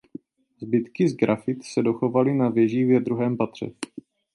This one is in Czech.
Zbytky sgrafit se dochovaly na věžích ve druhém patře.